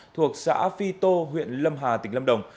thuộc xã phi tô huyện lâm hà tỉnh lâm đồng